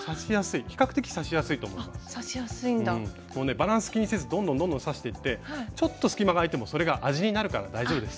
バランス気にせずどんどんどんどん刺していってちょっと隙間があいてもそれが味になるから大丈夫です。